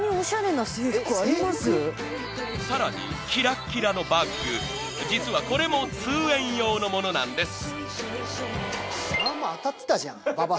［さらにキラキラのバッグ実はこれも通園用のものなんです］